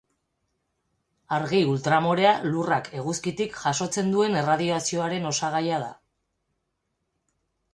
Argi ultramorea Lurrak Eguzkitik jasotzen duen erradiazioaren osagaia da.